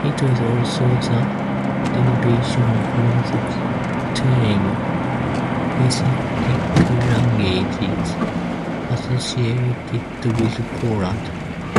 It is also the derivation for the term "Lechitic languages", associated with Poland.